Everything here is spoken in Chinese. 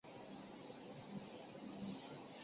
原产于印度尼西亚爪哇岛和马来西亚等地。